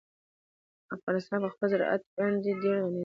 افغانستان په خپل زراعت باندې ډېر غني دی.